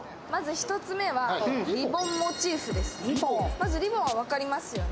まずはリボンは分かりますよね？